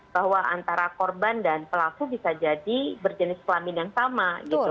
bahwa antara korban dan pelaku bisa jadi berjenis kelamin yang sama gitu